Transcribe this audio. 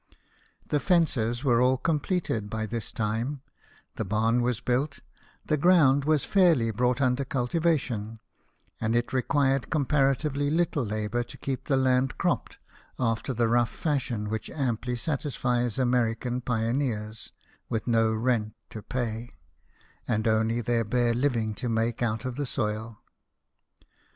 The fences were all completed, by this time ; the barn was built, the ground was fairly brought under cultivation, and it required comparatively little labour to keep the land cropped after ^ the rough fashion which amply satisfies American pioneers, with no rent to pay, and only their bare living to make out of the soil.